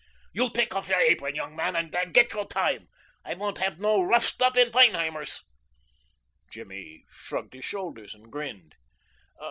You take off your apron, young man, and get your time. I won't have no rough stuff in Feinheimer's." Jimmy shrugged his shoulders and grinned.